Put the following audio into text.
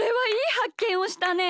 はっけんをしたね。